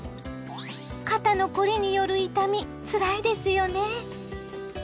肩の凝りによる痛みつらいですよね。